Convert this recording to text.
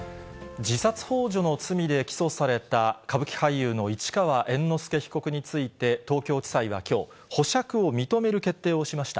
自殺ほう助の罪で起訴された歌舞伎俳優の市川猿之助被告について、東京地裁はきょう、保釈を認める決定をしました。